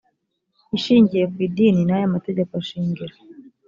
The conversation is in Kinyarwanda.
ishingiye ku idini n aya mategeko shingiro